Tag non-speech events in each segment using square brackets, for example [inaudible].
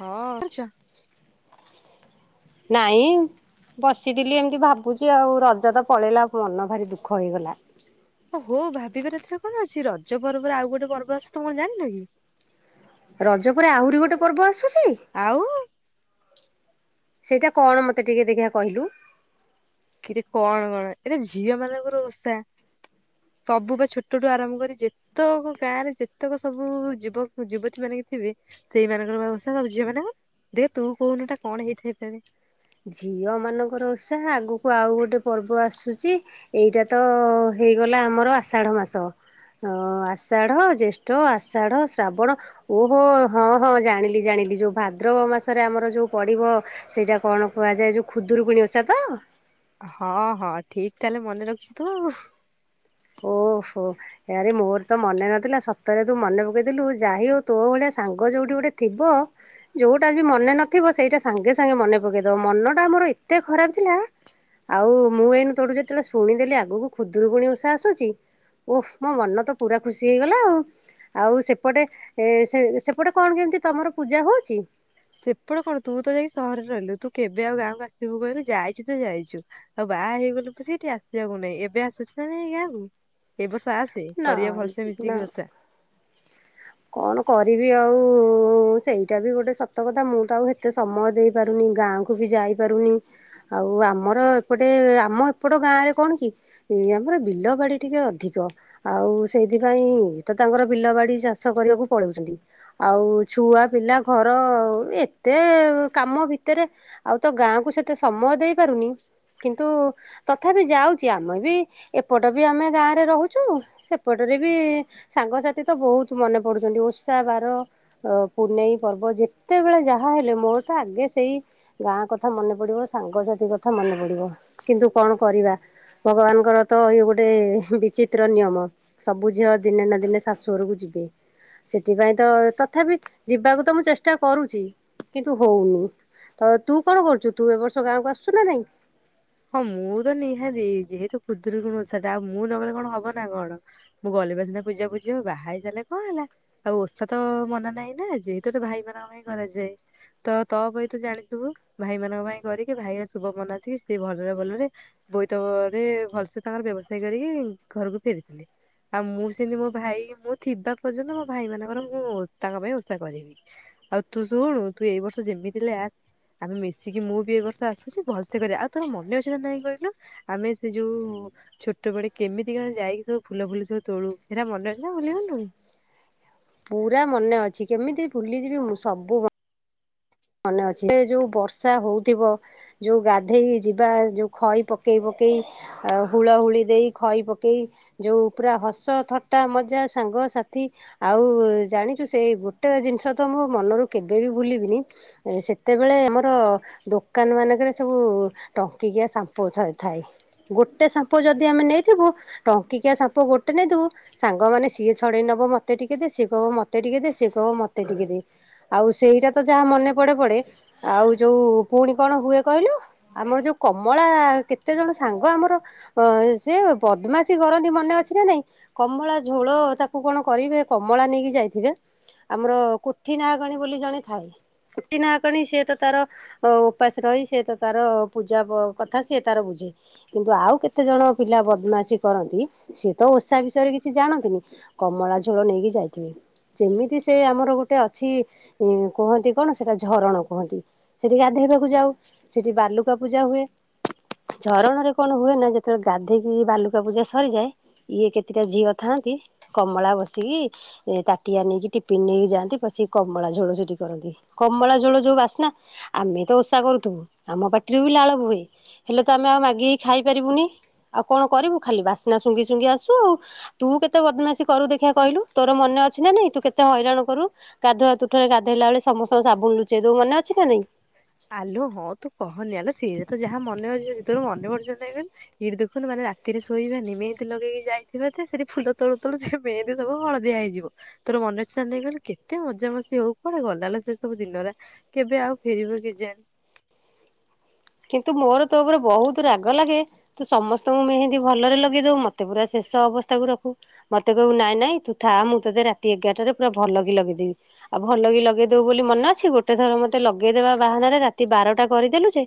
ହଁ [unintelligible] ନାଇ ବସିଥିଲି ଏମିତି ଭାବୁଛି ଆଉ ରଜ ତ ପଳେଇଲା ମନ ଭାରି ଦୁଃଖ ହେଇଗଲା ଓହୋ ଭାବିବାର ଏଥିରେ କଣ ଅଛି ରଜ ପର୍ବରେ ଆଉ ଗୋଟେ ପର୍ବ ଆସ ତ କଣ ଜାଣିନ କି ରଜ ପରେ ଆହୁରି ଗୋଟେ ପର୍ବ ଆସୁଛି ଆଉ ସେଇଟା କଣ ମୋତେ ଟିକେ ଦେଖିଆ କହିଲୁ କଣ ଏଇଟା ଝିଅ ମାନଙ୍କର ଅବସ୍ଥା! ! ! ! ! ! ! ! ! ! ସବୁ ବା ଛୋଟଠୁ ଆରମ୍ଭ କରି ଯେ କେତ ଗାଁ ରେ ଯେତେକ ସବୁ ଯୁବକ ଯୁବତୀ ମାନେ କି ଥିବେ ସେଇମାନଙ୍କର ବ୍ୟବସ୍ଥା ସବୁ ଝିଅମାନଙ୍କ ଦେ ତୁ କହୁନୁ ଟା କଣ ହେଇଥାଇପାରେ ଝିଅମାନଙ୍କର ଓଷା ଆଗକୁ ଆଉ ଗୋଟେ ପର୍ବ ଆସୁଛି ଏଇଟା ତ ହେଇଗଲା ଆମର ଆଷାଢ ମାସ ହ ଆଷାଢ ଜେଷ୍ଠ ଆଷାଢ ଶ୍ରାବଣ ଓହୋ ହଁ ହଁ ଜାଣିଲି ଜାଣିଲି ଯୋଉ ଭାଦ୍ରବ ମାସରେ ଆମର ଯୋଉ ପଡିବ ସେଇଟା କଣ କୁହାଯାଏ ଯୋଉ ଖୁଦୁରୁକୁଣୀ ଓଷା ତ ହଁ ହଁ ଠିକ ତାହେଲେ ମନେ ରଖିଛୁ ତୁ ଆଉ ଓହୋ ଆରେ ମୋର ତ ମନେ ନଥିଲା ସତରେ ତୁ ମନେ ପକେଇଥିଲୁ ଯାଇ ହଉ ତୋ ଭଳିଆ ସାଙ୍ଗ ଯୋଉଠି ଗୋଟେ ଥିବ ଯୋଉଟା ବି ମନେ ନଥିବ ସେଇଟା ସାଙ୍ଗେ ସାଙ୍ଗେ ମନେ ପକେଇଦବ ମନଟା ମୋର ଏତେ ଖରାପ ଥିଲା ଆଉ ମୁଁ ଏଇନୁ ତୋଠୁ ଯେତେବେଳେ ଶୁଣିଦେଲି ଆଗକୁ ଖୁଦୁରୁକୁଣୀ ଓଷା ଆସୁଛି ଓହ ମୋ ମନ ତ ପୁରା ଖୁସି ହେଇଗଲା ଆଉ ଆଉ ସେପଟେ ସେ ସେପଟେ କଣ କେମିତି ତମର ପୂଜା ହଉଛି ସେପଟେ କଣ ତୁ ତ ଯାଇକି ସହରରେ ରହିଲୁ ତୁ କେବେ ଆଉ ଗାଁକୁ ଆସିବୁ କହିଲୁ ଯାଇଛୁ ତ ଯାଇଛୁ ହଉ ବାହା ହେଇଗଲୁ ବୁଝ ଏଠି ଆସିବାକୁ ନାଇଁ ଏବେ ଆସୁଛି ନାଇ ଗାଁକୁ ଏ ବର୍ଷ ଆସେ କରିବା ନାଇଁ ଭଲସେ ନା ମିଶିକି ଓଷା କଣ କରିବି ଆଉ ସେଇଟା ବି ଗୋଟେ ସତ କଥା ମୁଁ ତ ଆଉ ଏତେ ସମୟ ଦେଇପାରୁନି ଗାଁକୁ ମୁଁ ବି ଯାଇପାରୁନି ଆଉ ଆମର ଏପଟେ ଆମ ଏପଟ ଗାଁ ରେ କଣ କି ଏ ଆମର ବିଲ ବାଡି ଟିକେ ଅଧିକ ଆଉ ସେଇଥିପାଇଁ ତ ତାଙ୍କର ବିଲ ବାଡି ଓଷା କରିବାକୁ ପଳଉଛନ୍ତି ଆଉ ଛୁଆ ପିଲା ଘର ଏତେ କାମ ଭିତରେ ଆଉ ତ ଗାଁକୁ ସେତେ ସମୟ ଦେଇ ପାରୁନି କିନ୍ତୁ ତଥାପି ଯାଉଛି ଆମେ ବି ଏପଟ ବି ଆମେ ଗାଁରେ ରହୁଛୁ ସେପଟରେ ବି ସାଙ୍ଗସାଥି ତ ବହୁତ ମନେ ପଡୁଛନ୍ତି ଓଷା ବାର ଅ ପୁନେଇ ପର୍ବ ଯେତେବେଳେ ଯାହା ହେଲେ ମୋର ତ ଆଗେ ସେଇ ଗାଁ କଥା ମନେ ପଡିବ ସାଙ୍ଗସାଥି କଥା ମନେ ପଡିବ କିନ୍ତୁ କଣ କରିବା? ଭଗବାନଙ୍କର ତ ଇଏ ଗୋଟେ ବିଚିତ୍ର ନିୟମ ସବୁ ଝିଅ ଦିନେ ନା ଦିନେ ଶାଶୁଘରକୁ ଯିବେ ସେଥିପାଇଁ ତ ତଥାପି ଯିବାକୁ ତ ମୁଁ ଚେଷ ଚେଷ୍ଟା କରୁଛି କିନ୍ତୁ ହଉନି ତ ତୁ କଣ କରୁଛୁ ତୁ ଏ ବର୍ଷ ଗାଁକୁ ଆସୁଛୁ ନା ନାଇଁ ହଁ ମୁଁ ତ ନିହାତି ଯେହେତୁ ଖୁଦୁରୀକୁଣୀ ଓଷାଟା ଆଉ ମୁଁ ନହଲେ କଣ ହବ ନା କଣ ମୁଁ ଗଲେବା ସିନା ପୂଜା ପୂଜି ବାହା ହେଇସାଲେ କଣ ହେଲା ଆଉ ଓଷା ତ ମନା ନାହିଁ ନା ଯେହେତୁ ତ ଭାଇ ମାନଙ୍କ ପାଇଁ ହିଁ କରାଯାଏ ତ ତଅପୋଇ ତ ଜାଣିଥିବୁ ଭାଇମାନଙ୍କ ପାଇଁ କରିକି ଭାଇର ଶୁଭ ମନା ସି ସେ ଭଲରେ ଭଲରେ ବୋଇତରେ ଭଲସେ ତାଙ୍କର ବ୍ୟବସାୟ କରିକି ଘରକୁ ଫେରିଥିଲେ। ଆଉ ମୁଁ ସେମିତି ମୋ ଭାଇ ମୁଁ ଥିବା ପର୍ଯ୍ୟନ୍ତ ମୋ ଭାଇ ମାନଙ୍କର ମୁଁ ତାଙ୍କ ପାଇଁ ଓଷା କରିବି। ଆଉ ତୁ ଶୁଣୁ ତୁ ଏଇ ବର୍ଷ ଯେମିତି ହେଲେ ଆସେ। ଆମେ ମିଶିକି ମୁଁ ବି ଏବର୍ଷ ଆସୁଛି ଭଲସେ କରିବା। ଆଉ ତୋର ମନେ ଅଛି ନା ନାଇଁ କହିଲୁ ଆମେ ସେ ଯୋଉ ଛୋଟବେଳେ କେମିତି କଣ ଯାଇକି ସବୁ ଫୁଲ ଫୁଲ ସବୁ ତୋଳୁ ସେଟା ମନେ ଅଛି ନା ଭୁୁଲିଗଲୁଣି। ପୁରା ମନେ ଅଛି କେମିତି ଭୁଲିଯିବି ମୁଁ ସବୁ ମନେ ଅଛି ସେ ଯୋଉ ବର୍ଷା ହଉଥିବ। ଯୋଉ ଗାଧେଇକି ଯିବା ଯୋଉ ଖଇ ପକେଇ ପକେଇ। ଆଉ ହୁଳ ହୁଳି ଦେଇ ଖଇ ପକେଇ। ଯୋଉ ପୁରା ହସ ଥଟା ମଜା ସାଙ୍ଗସାଥି। ଆଉ ଜାଣିଛୁ ସେଇ ଗୋଟେ ଜିନିଷ ତ ମୁଁ ମନରୁ କେବେ ବି ଭୁଲିବିନି। ସେତେବେଳେ ଆମର ଦୋକାନ ମାନଙ୍କରେ ସବୁ ଟଙ୍କିକିଆ ସାମ୍ପୁ ଥାଏ। ଗୋଟେ ସାମ୍ପୁ ଯଦି ଆମେ ନେଇଥିବୁ, ଟଙ୍କିକିଆ ସାମ୍ପୁ ଗୋଟେ ନେଇଥିବୁ ସାଙ୍ଗମାନେ ସିଏ ଛଡେଇ ନବ ମତେ ଟିକେ ଦେ ସିଏ କହିବ ମତେ ଟିକେ ଦେ ସିଏ କହିବ ମତେ ଟିକେ ଦେ। ଆଉ ସେଇଟା ତ ଯାହା ମନେ ପଡେ ପଡେ ଆଉ ଯୋଉ ପୁଣି କଣ ହୁଏ କହିଲୁ ଆମର ଯୋଉ କମଳା କେତେ ଜଣ ସାଙ୍ଗ ଆମର ହଁ, ସେ ବଦମାସୀ କରନ୍ତି ମନେ ଅଛି ନା ନାଇଁ। କମଳା ଝୋଳ ତାକୁ କଣ କରିବେ କମଳା ନେଇକି ଯାଇଥିବେ। ଆମର କୁଥି ନାହାକଣୀ ବୋଲି ଜଣେ ଥାଏ କୁଥି ନାହାକଣି ସିଏ ତ ତାର ଅ ଉପାସ ରହି ସେ ତ ତାର ପୂଜା କଥା ସିଏ ତାର ବୁଝେ। କିନ୍ତୁ ଆଉ କେତେଜଣ ପିଲା ବଦମାସୀ କରନ୍ତି ସିଏ ତ ଓଷା ବିଷୟରେ କିଛି ଜାଣନ୍ତିନି। କମଳା ଝୋଳ ନେଇକି ଯାଇଥିବେ। ଯେମିତି ସେ ଆମର ଗୋଟେ ଅଛି କୁହନ୍ତି କଣ ସେଟା ଝରଣ କୁହନ୍ତି, ସେଠି ଗାଧେଇବାକୁ ଯାଉ ସେଠି ବାଲୁକା ପୂଜା ହୁଏ। ଝରଣାରେ କଣ ହୁଏ ନା ଯେତେବେଳେ ଗାଧେଇକି ବାଲୁକା ପୂଜା ସରିଯାଏ। ଇଏ କେତେଟା ଝିଅ ଥାନ୍ତି କମଳା ବସିକି ତାଟିଆ ନେଇକି ଟିଫିିନ ନେଇକି ଯାଆନ୍ତି ବସିକି କମଳା ଝୋଳ ସେଠି କରନ୍ତି। କମଳା ଝୋଳ ଯୋଉ ବାସ୍ନା, ଆମେ ତ ଓଷା କରୁଥିବୁ ଆମ ପାଟିରୁ ବି ଲାଳ ବୁହେ। ହେଲେ ତ ଆମେ ଆଉ ମାଗିକି ଖାଇପାରିବୁନି, ଆଉ କଣ କରିବୁ ଖାଲି ବାସ୍ନା ଶୁଙ୍ଘି ଶୁଙ୍ଘି ଆସୁ ଆଉ। ତୁ କେତେ ବଦମାସୀ କରୁ ଦେଖିବା କହିଲୁ, ତୋର ମନେ ଅଛି ନା ନାଇଁ ତୁ କେତେ ହଇରାଣ କରୁ। ଗାଧୁଆ ତୁଠରେ ଗାଧେଇଲା ବେଳେ ସମସ୍ତଙ୍କ ସାବୁନ ଲୁଚେଇ ଦୋଉ ମନେ ଅଛି ନା ନାଇଁ। ଆଲୋ ହଁ ତୁ କହନି ଆଲୋ ସିଏ ତ ଯାହା ମନେ ଅଛିି ଯଦି ତୋର ମନେ ପଡୁଛି ନା ନାହିଁ କହିଲୁ। ଏଇଠି ଦେଖନୁ ମାନେ ରାତିରେ ଶୋଇବାନି ମେହେନ୍ଦି ଲଗେଇକି ଯାଇଥିବା ଯେ ସେଠି ଫୁଲ ତୋଳୁ ତୋଳୁ ମେହେନ୍ଦି ସବୁ ହଳଦିଆ ହେଇଯିବ। ତୋର ମନେ ଅଛି ନା ନାହିଁ କହିଲୁ, କେତେ ମଜା ମସ୍ତି ହଉ କୁଆଡେ ଗଲା ଲୋ ସେ ସବୁ ଦିନଗୁରା। କେବେ ଆଉ ଫେରିବ କେଜାଣି। କିନ୍ତୁ ମୋର ତୋ ଉପରେ ବହୁତ ରାଗ ଲାଗେ। ତୁ ସମସ୍ତଙ୍କୁ ମେହେନ୍ଦି ଭଲରେ ଲଗେଇଦେଉ ମତେ ପୁରା ଶେଷ ଅବସ୍ଥାକୁ ରଖୁ। ମତେ କହିବୁ ନାଇଁ ନାଇଁ ତୁ ଥା ମୁଁ ତୋତେ ରାତି ଏଗାରଟାରେ ପୁରା ଭଲ କି ଲଗେଇ ଦେବି। ଆଉ ଭଲ କି ଲଗେଇଦବ ବୋଲି ମନେ ଅଛି ଗୋଟେ ଥର ମତେ ଲଗେଇଦବା ବାହାନାରେ ରାତି ବାରଟା କରିଦେଲୁ ଯେ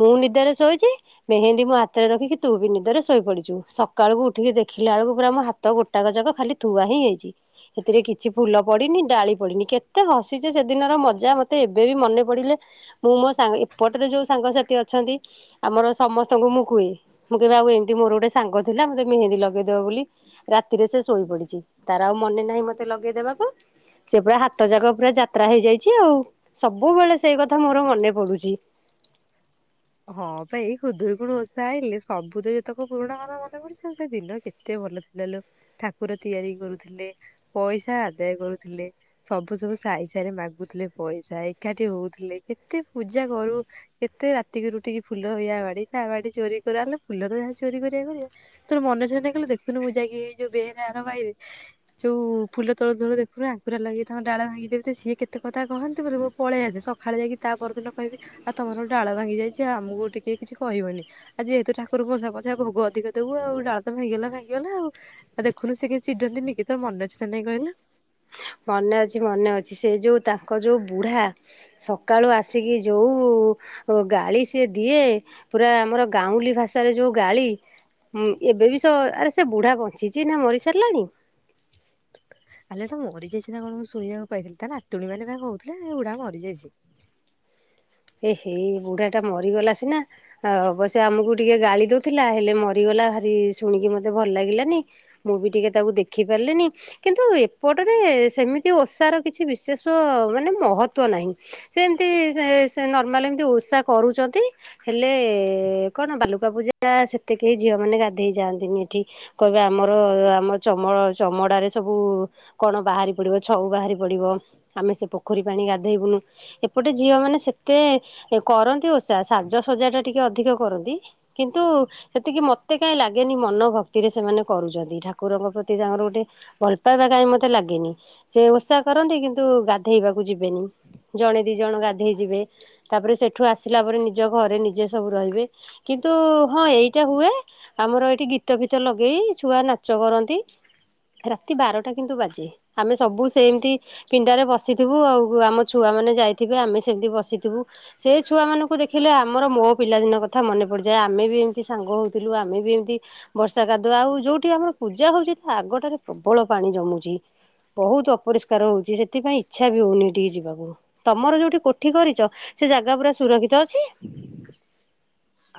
ମୁଁ ନିଦରେ ଶୋଇଛି। ମେହେନ୍ଦି ମୋ ହାତରେ ରଖିକି ତୁ ବି ନିଦରେ ଶୋଇ ପଡିଛୁ। ସକାଳୁ ଉଠିକି ଦେଖିଲା ବେଳକୁ ପୁରା ମୋ ହାତ ଗୋଟାକଯାକ ଖାଲି ଥୁଆ ହିଁ ହେଇଛି। ସେଥିରେ କିଛି ଫୁଲ ପଡିନି ଡାଳି ପଡନି କେତେ ହସିଛେ ସେଦିନର ମଜା ମତେ ଏବେ ବି ମନେ ପଡିଲେ ମୁଁ ମୋ ସାଙ୍ଗ ଏପଟରେ ଯୋଉ ସାଙ୍ଗସାଥି ଅଛନ୍ତି। ଆମର ସମସ୍ତଙ୍କୁ ମୁଁ କୁହେ। ମୁଁ କହେ ଆଉ ଏମିତି ମୋର ଗୋଟେ ସାଙ୍ଗ ଥିଲା ମତେ ମେହେନ୍ଦୀ ଲଗେଇଦବ ବୋଲି ରାତିରେ ସେ ଶୋଇ ପଡିଛି ତାର ଆଉ ମନେ ନାହିଁ ମତେ ଲଗେଇଦେବାକୁ। ସେ ପୁରା ହାତ ଯାକ ପୁରା ଯାତ୍ରା ହେଇଯାଇଛି ଆଉ। ସବୁବେଳେ ସେଇ କଥା ମୋର ମନେ ପଡୁଛି। ହଁ ପା ଏଇ ଖୁଦୁରୁକୁଣୀ ଓଷା ଆଇଲେ ସବୁ ତ ଯେତେକ ପୁରୁଣା କଥା ମନେ ପଡୁଛନ୍ତି। ସେ ଦିନ କେତେ ଏତେ ଭଲ ଥିଲା ଲୋ ଠାକୁର ତିଆରି କରୁଥିଲେ, ପଇସା ଆଦାୟ କରୁଥିଲେ। ସବୁ ସବୁ ସାହି ସାହିରେ ମାଗୁଥିଲେ ପଇସା ଏକାଠି ହଉଥିଲେ କେତେ ପୂଜା କରୁ କେତେ ରାତି କରୁ ଉଠିକି ଫୁଲ ୟା ବାଡି ତା ବାଡି ଚୋରି କରୁ। ଆଲୋ ଫୁଲ ତ ଯାହା ଚୋରି କରିବା କରିବା ତୋର ମନେଅଛି ନା ନାହିଁ କହିଲୁ ଦେଖୁନୁ ମୁଁ ଯାଇକି ଏଇ ଯୋଉ ବେହେନା ଆରପାଇରେ ଯୋଉଁ ଫୁଲ ତୋଳୁ ତୋଳୁ [unintelligible] ପୁରା ଲାଗି ତାଙ୍କ ଡାଳ ଭାଙ୍ଗିଦେନ୍ତି, ତ ସିଏ କେତେ କଥା କହନ୍ତି ବର୍ ବୋ ପଳେଇ ଆସେ ସକାଳେ ଯାଇକି ତା ପରଦିନ କହିବି ଆ ତମର ଡାଳ ଭାଙ୍ଗି ଯାଇଛି ଆମକୁ ଟିକେ କିଛି କହିବନି। ଆଜି ଯେହେତୁ ଠାକୁର ମଷା ପଛା ଭୋଗ ଅଧିକ ଦେବୁ ଆଉ ଡାଳତ ଭାଙ୍ଗିଗଲା ଭାଙ୍ଗିଗଲା ଆଉ। ଆଉ ଦେଖୁନୁ ସେ କେମିତି ଚିଡ଼ଣ୍ଟି ନିକି ତୋର୍ ମନେ ଅଛି ନା ନାଇଁ କହିଲୁ? ମନେ ଅଛି ମନେ ଅଛି ସେ ଯେଉଁ ତାଙ୍କ ଯେଉଁ ବୁଢ଼ା ସକାଳୁ ଆସିକି ଯୋଉ ଓ ଗାଳି ସିଏ ଦିଏ, ପୁରା ଆମର ଗାଉଁଲି ଭାଷାରେ ଯୋଉ ଗାଳି। ଉଁ ଏବେ ବି ସ ଆରେ ସେ ବୁଢ଼ା ବଞ୍ଚିଛି ନା ମରି ସାରିଲାଣି? ଆଲେ ସେ ମରିଯାଇଛି ନା କଣ ମୁଁ ଶୁଣିବାକୁ ପାଇଥିଲି ତା ନାତୁଣୀ ମାନେ ବା କହୁଥିଲେ ବୁଡା ମରିଯାଇଛି। ଏ ହେ ବୁଢା ଟା ମରିଗଲା ସିନା ଆ ଅବସ୍ୟ ଆମକୁ ଟିକେ ଗାଳି ଦଉଥିଲା ହେଲେ ମରିଗଲା ଭାରି ଶୁଣିକି ମତେ ଭଲ ଲାଗିଲାନି। ମୁଁ ବି ଟିକେ ତାକୁ ଦେଖି ପାରିଲିନି। କିନ୍ତୁ ଏପଟରେ ସେମିତି ଓଷାର କିଛି ବିଶେଷ ମାନେ ମହତ୍ୱ ନାହିଁ। ସେମନ୍ତି ଯେ ସେ ନର୍ମାଲ ଏମିତି ଓଷା କରୁଛନ୍ତି। ହେଲେ କଣ ବାଲୁକା ପୂଜା ସେତେ କେହି ଝିଅ ମାନେ ଗାଧେଇ ଯାଆନ୍ତିନି ଏଠି। କହିବେ ଆମର ଆମ ଚମ ଚମଡାରେ ସବୁ କଣ ବାହାରି ପଡିବ ଛଉ ବାହାରି ପଡିବ ଆମେ ସେ ପୋଖରୀ ପାଣି ଗାଧେଇବୁନୁ। ଏପଟେ ଝିଅ ମାନେ ସେତେ କରନ୍ତି ଓଷା ସାଜସଜା ଟା ଟିକେ ଅଧିକ କରନ୍ତି। କିନ୍ତୁ ସେତିକି ମତେ କାଇଁ ଲାଗେନି ମନ ଭକ୍ତିରେ ସେମାନେ କରୁଛନ୍ତି, ଠାକୁରଙ୍କ ପ୍ରତି ତାଙ୍କର ଗୋଟେ ଭଲ ପାଇବା କାହିଁ ମତେ ଲାଗେନି ସେ ଓଷା କରନ୍ତି କିନ୍ତୁ ଗାଧେଇବାକୁ ଯିବେନି। ଜଣେ ଦି ଜଣ ଗାଧେଇ ଯିବେ। ତାପରେ ସେଠୁ ଆସିଲା ପରେ ନିଜ ଘରେ ନିଜେ ସବୁ ରହିବେ। କିନ୍ତୁ ହଁ ଏଇଟା ହୁଏ ଆମର ଏଇଠି ଗୀତ ଫିତ ଲଗେଇ ଛୁଆ ନାଚ କରନ୍ତି। ରାତି ବାରଟା ପନ୍ତ ବାଜେ ଆମେ ସବୁ ସେମିତି ପିଣ୍ଡାରେ ବସିଥିବୁ ଆଉ ଆମ ଛୁଆ ମାନେ ଯାଇଥିବେ, ଆମେ ସେମିତି ବସିଥିବୁ। ସେ ଛୁଆମାନଙ୍କୁ ଦେଖିଲେ ଆମର ମୋ ପିଲାଦିନ କଥା ମନେ ପଡ଼ିଯାଏ ଆମେ ବି ଏମିତି ସାଙ୍ଗ ହେଉଥିଲୁ ଆମେ ବି ଏମିତି ବର୍ଷା କାଦୁଆ ହୋଉ। ଯୋଉଠି ଆମର ପୂଜା ହଉଛି ତା ଆଗଟାରେ ପ୍ରବଳ ପାଣି ଜମୁଛି। ବହୁତ୍ ଅପରିଷ୍କାର ହଉଛି, ସେଥିପାଇଁ ଇଚ୍ଛା ବି ହଉନି ଏଠିକି ଯିବାକୁ ତମର ଯୋଉଠି କୋଠି କରିଛ ସେ ଜାଗା ପୁରା ସୁରକ୍ଷିତ ଅଛି।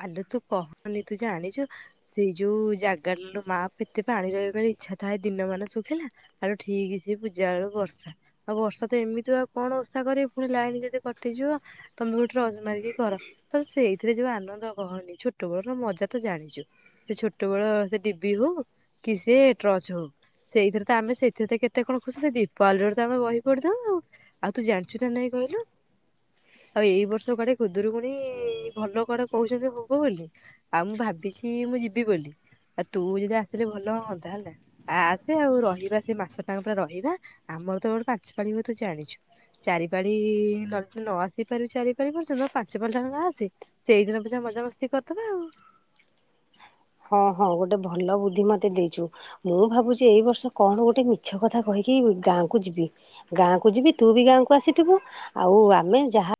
ଆଲୋ ତୁ କହନି ତୁ ଜାଣିଛୁ ସେଇ ଯୋଉଁ ଜାଗା ଲୋ ମା ଏତେ ପାଣି ରହିବାରେ ଇଚ୍ଛା ଥାଏ ଦିନମାନେ ସୁଖେନା। ଆଲୋ ଠିକ୍ ସେଇ ପୂଜା ବେଳୁ ବର୍ଷା। ଆଉ ବର୍ଷା ତ ଏମିତି ଆଉ କଣ ଓଷା କରିବୁ ପୁଣି ଲାଇନ ଯଦି କଟିଯିବ। ତମକୁ ଟ୍ରଚ୍ ମାରିକି କର। ତ ସେଇଥିରେ ଯୋଉ ଆନନ୍ଦ ତ କହନି ଛୋଟ ବଳର ମଜା ତ ଜାଣିଛୁ। ସେ ଛୋଟ ବେଳ ସେ ଡିବି ହୋଉ କି ସେ ଟ୍ରଚ୍ ହଉ। ସେଇଥିରେ ତ ଆମେ ସେଇଥିରେ ତ କେତେ କଣ ଖୁସି ଦୀପାବଳିରେ ତ ଆମେ ବହି ପଡ଼ୁଥାଉ। ଆଉ ତୁ ଜାଣିଛୁ ନା ନାଇଁ କହିଲୁ? ଆଉ ଏଇ ବର୍ଷ କୁଆଡ଼େ ଖୁଦୁରୁକୁୁଣି ଭଲ କୁଆଡ଼େ କହୁଛନ୍ତି ହୋବ ବୋଲି ଆଉ ମୁଁ ଭାବିଛି ମୁଁ ଯିବି ବୋଲି। ଆ ତୁ ଯଦି ଆସିଲେ ଭଲ ହୋଅନ୍ତା ହେଲା। ଆ ଆସେ ଆଉ ରହିବା ସେ ମାସ ଟାଙ୍କ ପୁରା ରହିବା ଆମର ଏବେ ପାଞ୍ଚ ପାାଳି ହୁଏ ତୁ ଜାଣିଛୁ। ଚାରି ପାଳି ନ ନ ଆସିପାରୁଚୁ ଚାରି ପାଳି ଜମା ପାଞ୍ଚ ପାଳି ଟା ନ ହେଲେ ଆସେ। ସେଇ ଦିନ ପିଛା ମଜାମସ୍ତି କରିଦବା ଆଉ। ହଁ ହଁ ଗୋଟେ ଭଲ ବୁଦ୍ଧି ମତେ ଦେଇଛୁ। ମୁଁ ଭାବୁଛି ଏଇ ବର୍ଷ କଣ ଗୋଟେ ମିଛ କଥା କହିକି ଗାଁକୁ ଯିବି। ଗାଁକୁ ଯିବି ତୁ ବି ଗାଁକୁ ଆସିଥିବୁ ଆଉ ଆମେ ଯାହା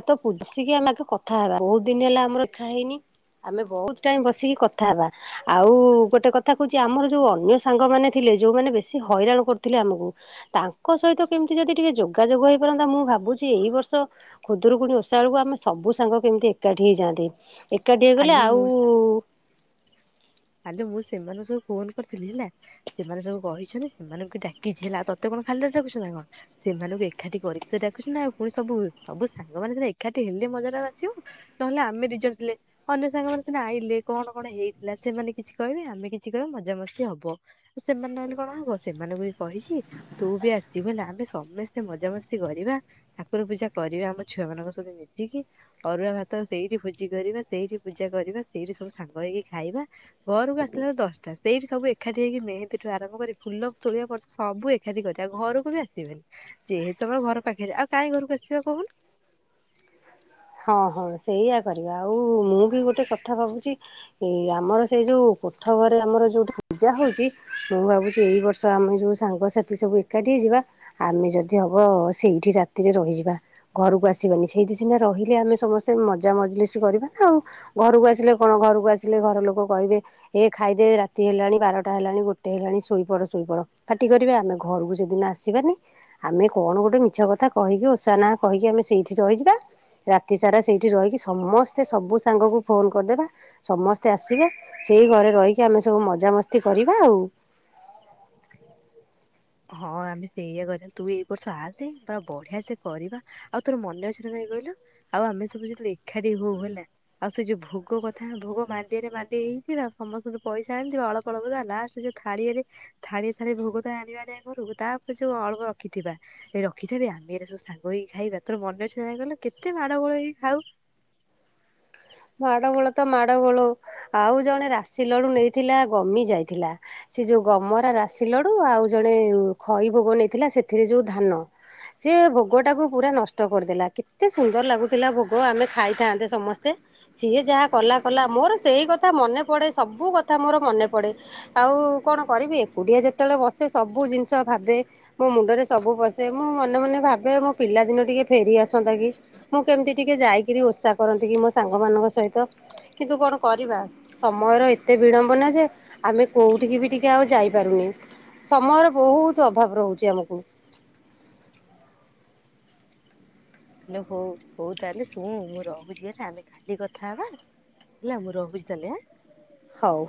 ଆଉ ତ ପୁଝିକି ଆମେ ଆଗ କଥା ହେବା। ବହୁତ ଦିନ ହେଲା ଆମର ଦେଖା ହେଇନି। ଆମେ ବହୁତ୍ ଟାଇମ୍ ବସିକି କଥା ହେବା। ଆଉ ଗୋଟେ କଥା କହୁଛି ଆମର ଯୋଉ ଅନ୍ୟ ସାଙ୍ଗମାନେ ଥିଲେ ଯୋଉମାନେ ବେଶୀ ହଇରାଣ କରୁଥିଲେ ଆମକୁ ତାଙ୍କ ସହିତ କେମିତି ଯଦି ଟିକେ ଯୋଗାଯୋଗ ହେଇପାରନ୍ତା ମୁଁ ଭାବୁଛି ଏଇ ବର୍ଷ ଖୁଦୁରୁକୁଣି ଓଷା ବେଳକୁ ଆମେ ସବୁ ସାଙ୍ଗ କେମିତି ଏକାଠି ହେଇଯାଆନ୍ତେ। ଏକାଠି ହେଇଗଲେ ଆଲୁ ଆଉ ମୁଁ ଆଲୋ ମୁଁ ସେମାନଙ୍କୁ ସବୁ ଫୋନ୍ କରିଥିଲି ହେଲା। ସେମାନେ ସବୁ କହିଛନ୍ତି ସେମାନେଙ୍କୁ ବି ଡ଼ାକିଛି ହେଲା। ଆଉ ତତେ କଣ ଖାଲିରେ ଡ଼ାକୁଛି ନା କଣ। ସେମାନଙ୍କୁ ଏଖାଠି କରିକି ତ ଡ଼ାକୁଚି ନା ଆଉ ପୁଣି ସବୁ ସବୁ ସାଙ୍ଗମାନେ ଏକାଠି ହେଲେ ମଜାଟା ଆସିବ। ନହେଲେ ଆମେ ଦିଜଣ ଥିଲେ ଅନ୍ୟ ସାଙ୍ଗମାନେ ସିନା ଆଇଲେ କଣ କଣ ହେଇଥିଲା ସେମାନେ କିଛି କହିବେ ଆମେ କିଛି କହିବା ମଜାମସ୍ତି ହବ। ସେମାନେ ନହେଲେ କଣ ହବ? ସେମାନଙ୍କୁ ବି କହିଛି ତୁ ବି ଆସିବୁ ହେଲା ଆମେ ସମସ୍ତେ ମଜାମସ୍ତି କରିବା ଠାକୁର ପୂଜା କରିବା ଆମ ଛୁଆ ମାନଙ୍କ ସହିତ ମିଶିକି। ଅରୁଆ ଭାତ ସେଇଠି ଭୋଜି କରିବା, ସେଇଠି ପୂଜା କରିବା, ସେଇଠି ସବୁ ସାଙ୍ଗ ହେଇକି ଖାଇବା। ଘରୁକୁ ଆସିଲାଳକୁ ଦଶଟା। ସେଇଠି ସବୁ ଏକାଠି ହେଇକି ମେହେନ୍ଦୀଠୁ ଆରମ୍ଭ କରି ଫୁଲ ତୋଳିବା ପର୍ଯ୍ୟନ୍ତ ସବୁ ଏକ କାଠି କରିଆ ଆଉ ଘରକୁ ବି ଆସିବେନି। ଯେହେତୁ ଆମ ଘର ପାଖରେ ଆଉ କାହିଁ ଘରକୁ ଆସିବା କହୁନୁ? ହଁ ହଁ ସେଇଆ କରିବା ଆଉ ମୁଁ ବି ଗୋଟେ କଥା ଭାବୁଛି ଏଇ ଆମର ସେଇ ଯୋଉ କୋଠ ଘରେ ଆମର ଯୋଉଠି ପୂଜା ହୋଉଛି ମୁଁ ଭାବୁଛି ଏଇ ବର୍ଷ ଆମେ ଯୋଉ ସାଙ୍ଗସାଥି ସବୁ ଏକାଠି ହେଇଯିବା ଆମେ ଯଦି ହବ ସେଇଠି ରାତିରେ ରହିଯିବା ଘରକୁ ଆସିବାନି ସେଇଠି ସିନା ରହି ଲେ ଆମେ ସମସ୍ତେ ମଜା ମଜଲିସ୍ କରିବା ନା ଆଉ। ଘରକୁ ଆସିଲେ କଣ ଘରକୁ ଆସିଲେ ଘର ଲୋକ କହିବେ ଏ ଖାଇଦେ ରାତି ହେଲାଣି ବାରଟା ହେଲାଣି ଗୋଟେ ହେଲାଣି ଶୋଇପଡ଼ ଶୋଇପଡ଼। ପାଟି କରିବେ ଆମେ ଘରକୁ ସେଦିନ ଆସିବାନି ଆମେ କଣ ଗୋଟେ ମିଛ କଥା କହିକି ଓଷା ନାଁ କହିକି ଆମେ ସେଇଠି ରହିଯିବା ରାତି ସାରା ସେଇଠି ରହିକି ସମସ୍ତେ ସବୁ ସାଙ୍ଗକୁ ଫୋନ୍ କରିଦେବା ସମସ୍ତେ ଆସିବେ ସେଇ ଘରେ ରହିକି ଆମେ ସବୁ ମଜାମସ୍ତି କରିବା ଆଉ ହଁ ଆମେ ସେଇଆ କରିବା। ତୁ ଏଇ ବର୍ଷ ଆସେ ବା ବଢ଼ିଆ ସେ କରିବା ଆଉ ତୋର ମନେ ଅଛି ନା ନାଇଁ କହିଲୁ? ଆଉ ଆମେ ସବୁ ଯେତେଳେ ଏଖାଠି ହଉ ହେଲା ଆଉ ସେ ଯୋଉ ଭୋଗ କଥା ଭୋଗ ମାଣ୍ଡିଆରେ ମାଣ୍ଡିଆଏ ହେଇଥିଲା ସମସ୍ତଙ୍କୁ ପଇସା ଆଣିଥିବ ଅଳପ ଫଳବୁଦା ଲାଷ୍ଟରେ ଥାଳିଆରେ ଥାଳିଏ ଥାଳିଏ ଭୋଗ ତ ଆଣିବା ସେ ଘରୁ ତା ପରେ ଯୋଉ ଅଳପ ରଖିଥିବା ଏ ରଖିଥିବେ ଆମେ ଏଗୁରା ସବୁ ସାଙ୍ଗ ହେଇକି ଖାଇବା ତୋର ମନେ ଅଛି ନା ନାଇଁ କହିଲୁ କେତେ ମାଡ଼ ଗୋଳ ହେଇ ଖାଉ ମାଡ଼ ଗୋଳ ତ ମାଡ଼ ଗୋଳ ଆଉ ଜଣେ ରାଶି ଲଡ଼ୁ ନେଇଥିଲା ଗମି ଯାଇଥିଲା ସେ ଯୋଉ ଗମରା ରାଶି ଲଡ଼ୁ ଆଉ ଜଣେ ଖଇ ଭୋଗ ନେଇଥିଲା ସେଥିରେ ଯୋଉ ଧାନ ସେ ଭୋଗଟାକୁ ପୁରା ନଷ୍ଟ କରିଦେଲା କେତେ ସୁନ୍ଦର ଲାଗୁଥିଲା ଭୋଗ ଆମେ ଖାଇଥାନ୍ତେ ସମସ୍ତେ ସିଏ ଯାହା କଲା କଲା ମୋର ସେଇ କଥା ମନେ ପଡେ ସବୁ କଥା ମୋର ମନେ ପଡେ ଆଉ କଣ କରିବି ଏକୁଟିଆ ଯେତେବେଳେ ବସେ ସବୁ ଜିନିଷ ଭାବେ ମୋ ମୁଣ୍ଡରେ ସବୁ ପଶେ ମୁଁ ମନେ ମନେ ଭାବେ ମୋ ପିଲା ଦିନ ଟିକେ ଫେରି ଆସନ୍ତା କି ମୁଁ କେମିତି ଟିକେ ଯାଇକିରି ଓଷା କରନ୍ତି କି ମୋ ସାଙ୍ଗମାନଙ୍କ ସହିତ କିନ୍ତୁ କଣ କରିବା ସମୟର ଏତେ ବିଡମ୍ବନା ଯେ ଆମେ କୋଉଠିକି ବି ଟିକେ ଆଉ ଯାଇପାରୁନି ସମୟର ବହୁତ ଅଭାବ ରହୁଛି ଆମକୁ ଲୋ ହଉ ହଉ ତାହେଲେ ଶୁଣୁ ମୁଁ ରହୁଛି ହେଲା ଆମେ କାଲି କଥା ହବା ହେଲା ମୁଁ ରହୁଛି ତା ହେଲେ ଆଁ ହଉ।